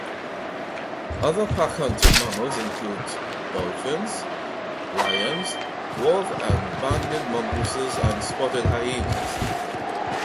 Other pack hunting mammals include dolphins, lions, dwarf and banded mongooses and spotted hyenas.